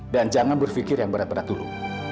dan jangan berpikir yang berat berat dulu